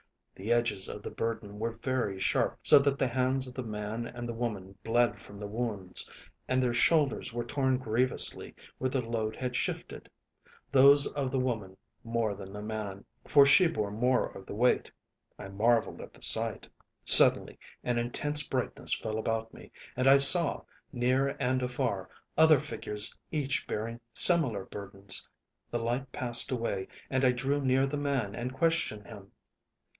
The edges of the burden were very sharp so that the hands of the man and the woman bled from the wounds and their shoulders were torn grievously where the load had shifted: those of the woman more than the man, for she bore more of the weight. I marvelled at the sight. "Suddenly an intense brightness fell about me and I saw, near and afar, other figures each bearing similar burdens. The light passed away, and I drew near the man and questioned him.